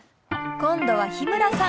今度は日村さん。